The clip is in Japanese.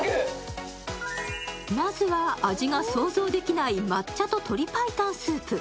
まずは、味が想像できない抹茶と鶏白湯スープ。